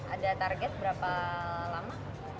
ada target berapa lama